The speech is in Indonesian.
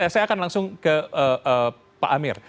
saya akan langsung ke pak amir